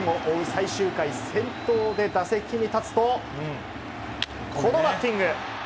最終回、先頭で打席に立つと、このバッティング。